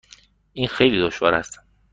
این خیلی دشوار است.